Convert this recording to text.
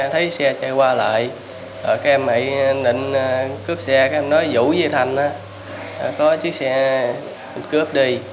trong đó vũ và thanh có chiếc xe cướp đi